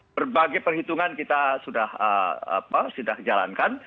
berbagai perhitungan kita sudah jalankan